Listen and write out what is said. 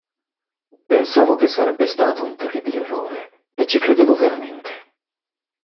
Pensavo che sarebbe stato un terribile errore, e ci credevo veramente.